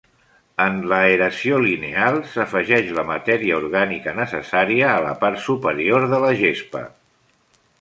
En l'aeració lineal, s'afegeix la matèria orgànica necessària a la part superior de la gespa.